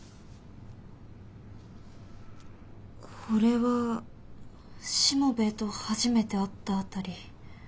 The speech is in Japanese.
これはしもべえと初めて会った辺り。